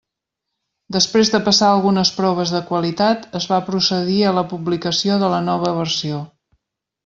Després de passar algunes proves de qualitat, es va procedir a la publicació de la nova versió.